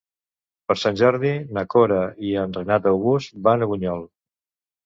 Per Sant Jordi na Cora i en Renat August van a Bunyol.